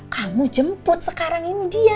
kamu jemput sekarang ini dia